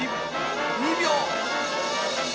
２秒。